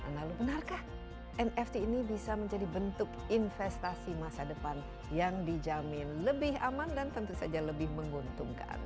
lalu benarkah nft ini bisa menjadi bentuk investasi masa depan yang dijamin lebih aman dan tentu saja lebih menguntungkan